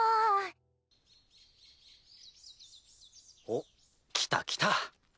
おっ来た来た。